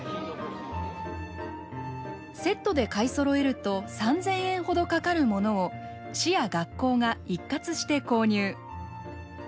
セットで買いそろえると３，０００円ほどかかるものを市や学校が一括して購入。